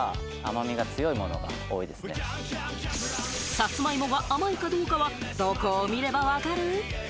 さつまいもが甘いかどうかは、どこを見ればわかる？